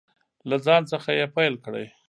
له ځان څخه یې پیل کړئ.